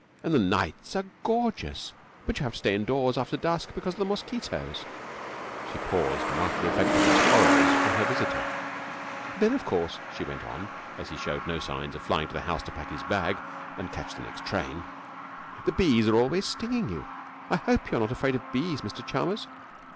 'And the nights are gorgeous, but you have to stay indoors after dusk because of the mosquitoes.' She paused to mark the effect of these horrors on her visitor. 'And then, of course,' she went on, as he showed no signs of flying to the house to pack his bag and catch the next train, 'the bees are always stinging you. I hope you are not afraid of bees, Mr Chalmers?'